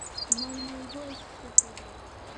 მან მოიგო ეს შეხვედრა.